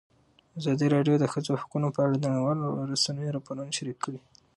ازادي راډیو د د ښځو حقونه په اړه د نړیوالو رسنیو راپورونه شریک کړي.